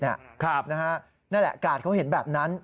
นี่แหละกาดเขาเห็นแบบนั้น